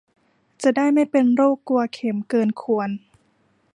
จะได้ไม่เป็นโรคกลัวเข็มเกินควร